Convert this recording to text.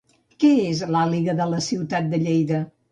Què és L'Àliga de la Ciutat de Lleida?